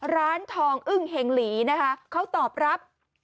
ร้านทองอึ้งเห็งหลีนะคะเขาตอบรับ